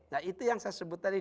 nah itu yang saya sebut tadi